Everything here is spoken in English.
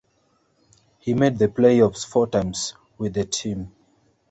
He made the playoffs four times with the team.